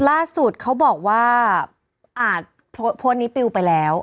ล่าสุดเขาบอกว่าอาจโพสต์นี้ปิวไปแล้ว